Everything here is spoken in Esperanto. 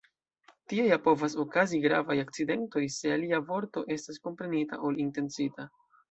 Tie ja povas okazi gravaj akcidentoj, se alia vorto estas komprenita ol intencita.